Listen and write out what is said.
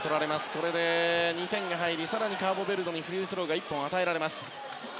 これで２点が入り更にカーボベルデにフリースローが１本与えられます。